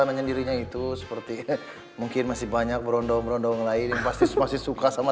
menyendirinya itu seperti mungkin masih banyak berondong berondong lain pasti masih suka sama